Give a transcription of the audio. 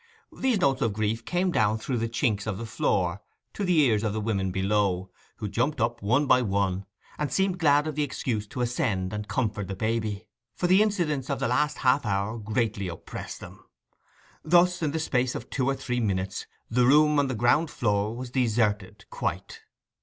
These notes of grief came down through the chinks of the floor to the ears of the women below, who jumped up one by one, and seemed glad of the excuse to ascend and comfort the baby, for the incidents of the last half hour greatly oppressed them. Thus in the space of two or three minutes the room on the ground floor was deserted quite.